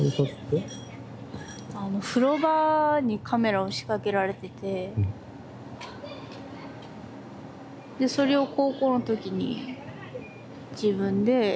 あの風呂場にカメラを仕掛けられててでそれを高校の時に自分で見つけて。